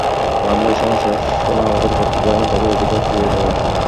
মানুষের সমস্যা শুনা আমাদের কর্তব্য এবং তাদের অধিকার ফিরিয়ে দেওয়া।